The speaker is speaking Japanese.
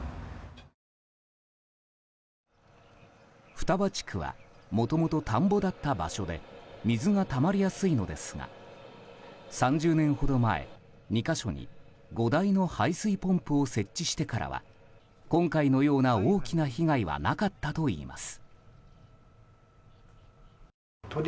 双葉地区はもともと田んぼだった場所で水がたまりやすいのですが３０年ほど前２か所に５台の排水ポンプを設置してからは今回のような大きな被害はなかったといいます。